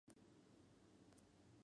Me encanta la canción.